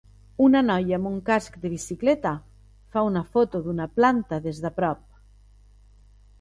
Una noia amb un casc de bicicleta fa una foto d'una planta des d'a prop.